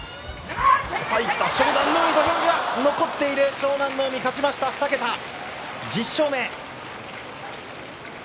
湘南乃海勝ちました２桁、１０勝目です。